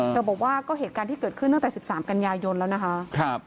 บอกว่าก็เหตุการณ์ที่เกิดขึ้นตั้งแต่๑๓กันยายนแล้วนะคะ